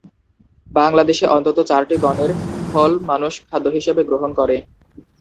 বাংলাদেশে অন্তত চারটি গণের ফল মানুষ খাদ্য হিসেবে গ্রহণ করে।